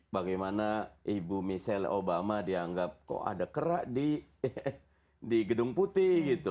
bagaimana ibu michelle obama dianggap kok ada kerak di gedung putih gitu